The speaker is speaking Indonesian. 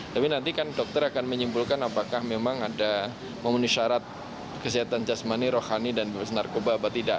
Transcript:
tapi nanti kan dokter akan menyimpulkan apakah memang ada memenuhi syarat kesehatan jasmani rohani dan bebas narkoba atau tidak